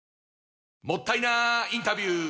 もったいなインタビュー！